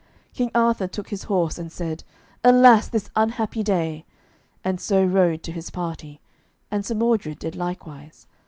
King Arthur took his horse, and said, "Alas this unhappy day," and so rode to his party; and Sir Mordred did likewise.